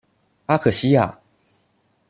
阿克西亚。